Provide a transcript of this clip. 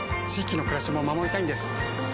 域の暮らしも守りたいんです。